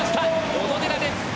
小野寺です。